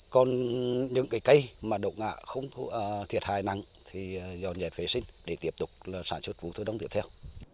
còn những cây mà độ ngạ không thiệt hại nặng thì do nhà phế sinh để tiếp tục sản xuất vụ thú đông tiếp theo